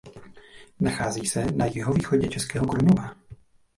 Nachází se na jihovýchodě Českého Krumlova.